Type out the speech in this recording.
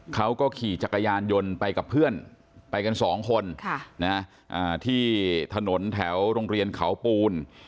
เขาก็ขี่จักรยานยนต์ไปกับเพื่อนไปกันสองคนที่ถนนแถวโรงเรียนเขาปูน